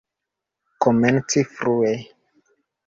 Komenci frue!